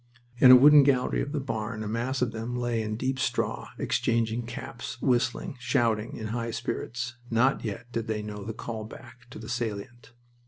In a wooden gallery of the barn a mass of them lay in deep straw, exchanging caps, whistling, shouting, in high spirits. Not yet did they know the call back to the salient.